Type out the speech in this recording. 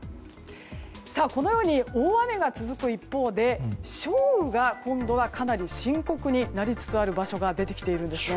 このように大雨が続く一方で少雨が今度はかなり深刻になりつつある場所が出てきているんです。